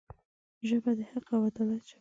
ژبه د حق او عدالت ژبه ده